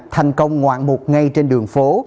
thành công ngoạn một ngày trên đường phố